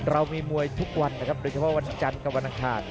เรามีมวยทุกวันนะครับโดยเฉพาะวันจันทร์กับวันอังคาร